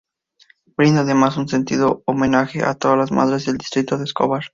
Brinda además un sentido homenaje a todas las madres del Distrito de Escobar.